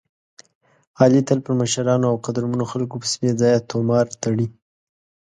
علي تل په مشرانو او قدرمنو خلکو پسې بې ځایه طومار تړي.